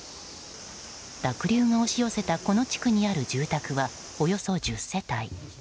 濁流が押し寄せたこの地区にある住宅はおよそ１０世帯。